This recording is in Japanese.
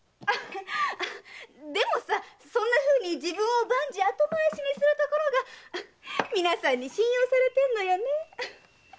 でもさそんな風に自分を万事後回しにするところがみなさんに信用されてんのよねえ。